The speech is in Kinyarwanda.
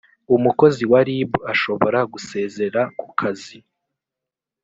umukozi wa rib ashobora gusezera ku kazi